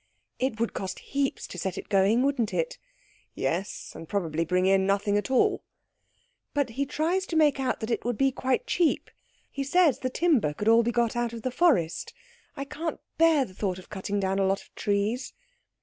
"It would cost heaps to set it going, wouldn't it?" "Yes, and probably bring in nothing at all." "But he tries to make out that it would be quite cheap. He says the timber could all be got out of the forest. I can't bear the thought of cutting down a lot of trees."